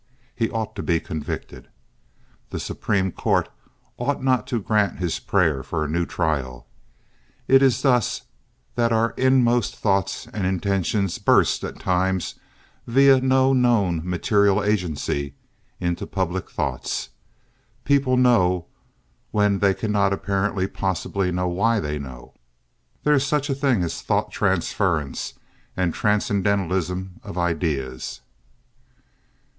He ought to be convicted. The Supreme Court ought not to grant his prayer for a new trial. It is thus that our inmost thoughts and intentions burst at times via no known material agency into public thoughts. People know, when they cannot apparently possibly know why they know. There is such a thing as thought transference and transcendentalism of ideas.